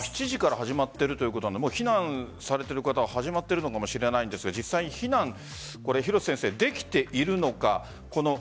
７時から始まってるということなので避難されている方は始まってるのかもしれないですが実際に避難できているのか。